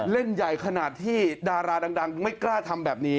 เล่นใหญ่ขนาดที่ดาราดังไม่กล้าทำแบบนี้